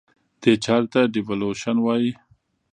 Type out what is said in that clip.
دې چارې ته Devaluation وایي.